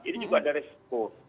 ini juga ada resiko